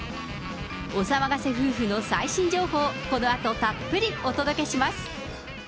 お騒がせ夫婦の最新情報、このあとたっぷりお届けします。